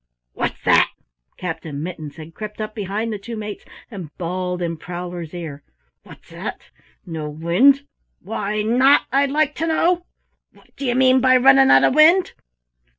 "What's that?" Captain Mittens had crept up behind the two mates and bawled in Prowler's ear. "What's that? No wind? Why not, I'd like to know? What d'ye mean by running out o' wind?